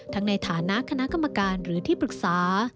ในฐานะคณะกรรมการหรือที่ปรึกษา